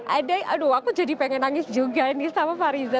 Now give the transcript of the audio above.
ade aduh aku jadi pengen nangis juga nih sama fariza